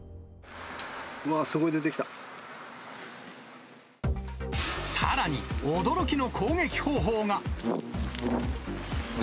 うわー、さらに、驚きの攻撃方法が。